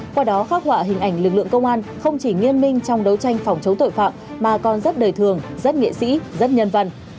qua đó khắc họa hình ảnh lực lượng công an không chỉ nghiêm minh trong đấu tranh phòng chống tội phạm mà còn rất đời thường rất nghệ sĩ rất nhân văn